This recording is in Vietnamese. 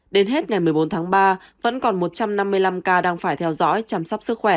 đến hết ngày một mươi bốn tháng ba vẫn còn một trăm năm mươi năm ca đang phải theo dõi chăm sóc sức khỏe